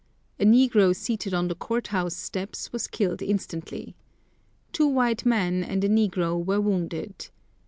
A negro seated on the court house steps was killed instantly. Two white men and a negro were wounded.